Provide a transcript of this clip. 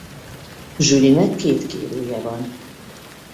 Julie-nek két kérője van.